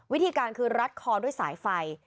วิธีการคือรัดคอด้วยสายไฟ